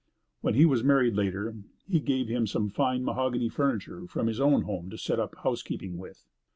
When he was married later, he gave him some fine mahogany furniture, from his own home, to set up housekeeping with.